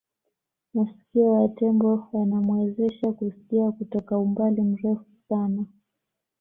masikio ya tembo yanamuwezesha kusikia kutoka umbali mrefu sana